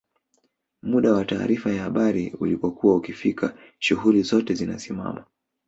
muda wa taarifa ya habari ulipokuwa ukifika shughuli zote zinasimama